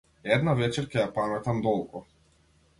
Една вечер ќе ја паметам долго.